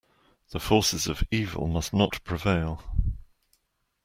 The forces of evil must not prevail.